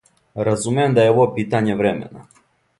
Разумем да је ово питање времена.